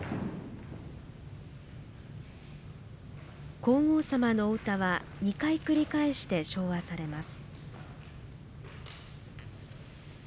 皇后さまのお歌は２回繰り返して唱和されます。